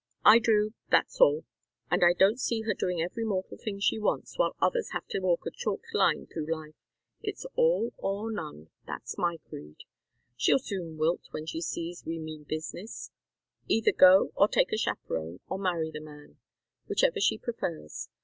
"I do, that's all. And I don't see her doing every mortal thing she wants, while others have to walk a chalked line through life. It's all or none. That's my creed. She'll soon wilt when she sees we mean business either go, or take a chaperon, or marry the man, whichever she prefers.